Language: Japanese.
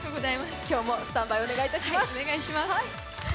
今日もスタンバイよろしくお願いします。